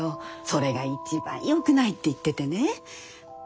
それが一番よくないって言っててね。